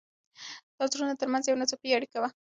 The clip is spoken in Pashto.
دا د زړونو تر منځ یوه ناڅاپي اړیکه وه.